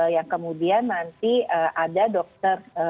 yang kemudian nanti ada dokter